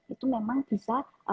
itu memang bisa